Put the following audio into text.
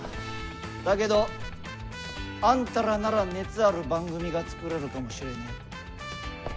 だけどあんたらなら熱ある番組が作れるかもしれねえ。